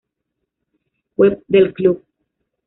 Web del Club